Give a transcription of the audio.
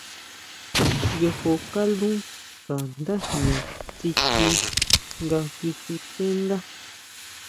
Yojo kalú ka ndá jña tsichi nga kisutendá.